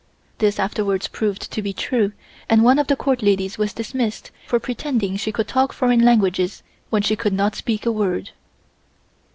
This afterwards proved to be true and one of the Court ladies was dismissed for pretending she could talk foreign languages when she could not speak a word.